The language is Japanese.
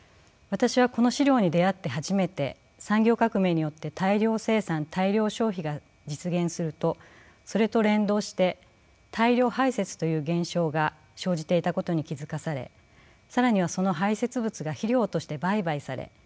私はこの史料に出会って初めて産業革命によって大量生産大量消費が実現するとそれと連動して大量排泄という現象が生じていたことに気付かされ更にはその排泄物が肥料として売買され農地に還元されることで